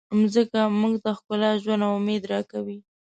مځکه موږ ته ښکلا، ژوند او امید راکوي.